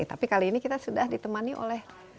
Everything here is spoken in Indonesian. tapi kali ini kita sudah ditemani oleh